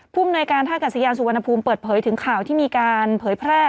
ภูมิหน่วยการท่ากัศยานสุวรรณภูมิเปิดเผยถึงข่าวที่มีการเผยแพร่